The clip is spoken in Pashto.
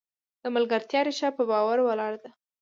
د ملګرتیا ریښه په باور ولاړه ده.